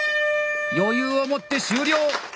余裕を持って終了。